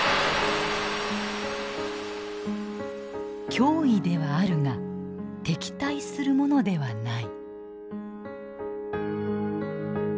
「脅威」ではあるが「敵対」するものではない。